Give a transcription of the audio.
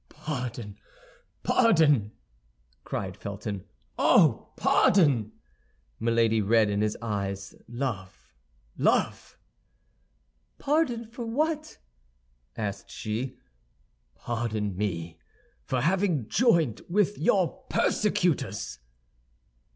"Pardon! Pardon!" cried Felton, "oh, pardon!" Milady read in his eyes love! love! "Pardon for what?" asked she. "Pardon me for having joined with your persecutors."